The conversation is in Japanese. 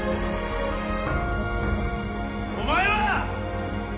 お前は！